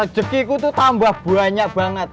rezekiku tuh tambah banyak banget